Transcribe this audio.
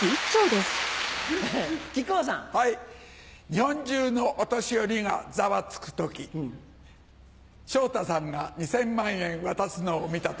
日本中のお年寄りがざわつく時昇太さんが２０００万円渡すのを見た時。